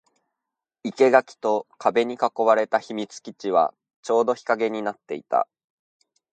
生垣と壁に囲われた秘密基地はちょうど日陰になっていた